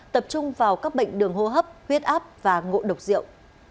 tập trung vào các bệnh đường hô hấp huyết áp và ngộ độc rượu